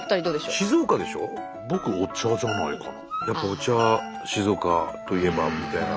静岡といえばみたいな。